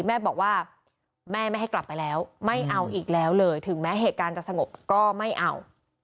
แม่บอกว่าแม่ไม่ให้กลับไปแล้วไม่เอาอีกแล้วเลยถึงแม้เหตุการณ์จะสงบก็ไม่เอา